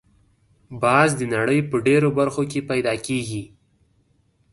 باز د نړۍ په ډېرو برخو کې پیدا کېږي